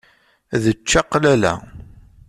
D ččaqlala.